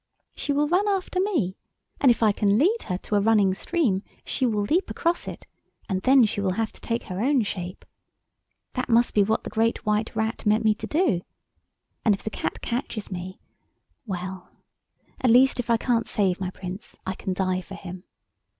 She will run after me, and if I can lead her to a running stream she will leap across it, and then she will have to take her own shape again. That must be what the Great White Rat meant me to do. And if the Cat catches me—well, at least if I can't save my Prince I can die for him."